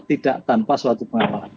tidak tanpa suatu pengamalan